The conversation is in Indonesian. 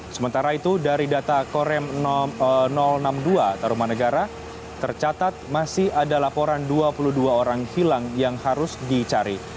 sementara itu dari data korem enam puluh dua taruman negara tercatat masih ada laporan dua puluh dua orang hilang yang harus dicari